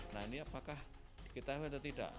nah ini apakah diketahui atau tidak